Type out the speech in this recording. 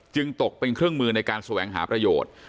ตกเป็นเครื่องมือในการแสวงหาประโยชน์